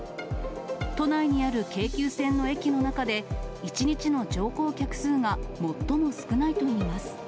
都内にある京急線の駅の中で、１日の乗降客数が最も少ないといいます。